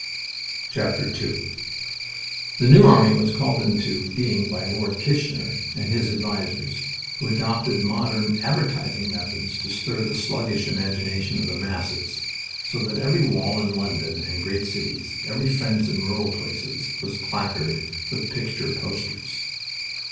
II The New Army was called into being by Lord Kitchener and his advisers, who adopted modern advertising methods to stir the sluggish imagination of the masses, so that every wall in London and great cities, every fence in rural places, was placarded with picture posters.